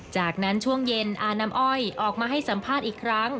จากนั้นช่วงเย็นอาน้ำอ้อยออกมาให้สัมภาษณ์อีกครั้ง